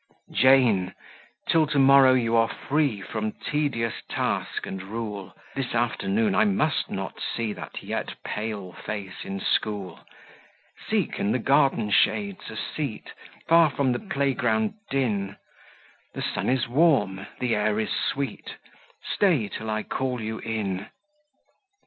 "Jane, till to morrow you are free From tedious task and rule; This afternoon I must not see That yet pale face in school. "Seek in the garden shades a seat, Far from the play ground din; The sun is warm, the air is sweet: Stay till I call you in."